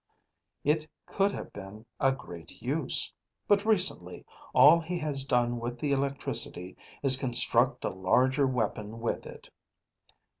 It could have been a great use. But recently all he has done with the electricity is construct a larger weapon with it.